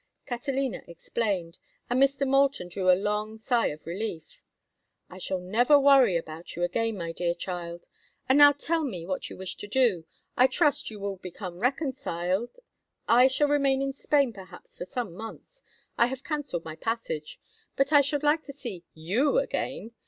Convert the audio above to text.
Catalina explained, and Mr. Moulton drew a long sigh of relief. "I shall never worry about you again, my dear child. And now tell me what you wish to do. I trust you will become reconciled—" "I shall remain in Spain perhaps for some months—I have cancelled my passage. But I shall like to see you again.